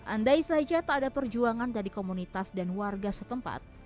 andai saja tak ada perjuangan dari komunitas dan warga setempat